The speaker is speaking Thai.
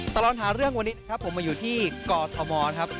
ตลอดหาเรื่องวันนี้ครับผมมาอยู่ที่กอทมครับ